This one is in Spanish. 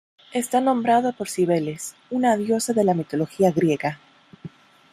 Está nombrado por Cibeles, una diosa de la mitología griega.